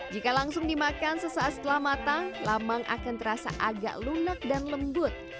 jika langsung dimakan sesaat setelah matang lamang akan terasa agak lunak dan lembut